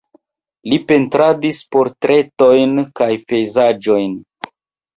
Li pentradis portretojn kaj pejzaĝojn.